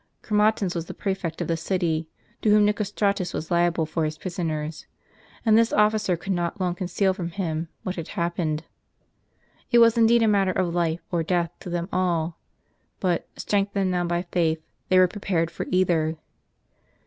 Chromatins was the prefect of the city, to whom Nicostratus was liable for his prisoners ; and this officer could not long conceal from him what had haiDpened. It w^as indeed a matter of life or death to them all ; but, strength ened now by faith, they were prepared for either.